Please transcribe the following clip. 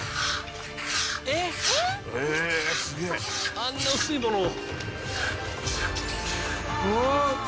あんな薄いものを。